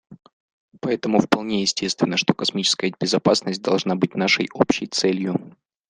Поэтому вполне естественно, что космическая безопасность должна быть нашей общей целью.